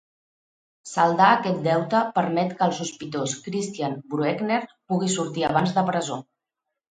Saldar aquest deute permet que el sospitós Christian Brueckner pugui sortir abans de presó